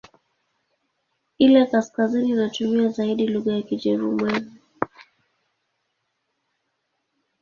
Ile ya kaskazini inatumia zaidi lugha ya Kijerumani.